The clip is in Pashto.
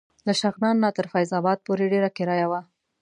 له شغنان نه تر فیض اباد پورې ډېره کرایه وه.